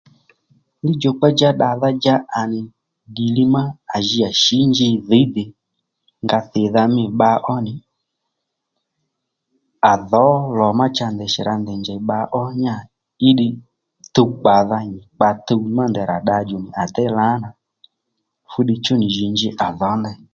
Li djòkpa dja ddadha dja à nì ddìli má à ji à shǐ nji dhǐy dè nga thìdha mî bba ó nì à dhǒ lò ma cha ndèy shì ra ndèy njèy bba ó nì yà í ddiy tuw kpàdha nì nyi kpa tuw má ndèy rà ddadjò nì à déy lǎní fú ddiy chú nì jǐ nji à dhǒ ndey